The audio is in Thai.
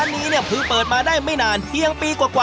นี่เนอะบุคคลเขาเลยนะเนี่ยไปค่ะ